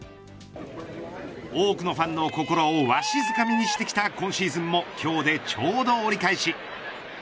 多くのファンの心をわしづかみにしてきた今シーズンも今日でちょうど折り返し。